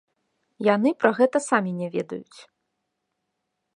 Яны пра гэта самі не ведаюць.